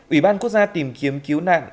hai ủy ban quốc gia tìm kiếm cứu nạn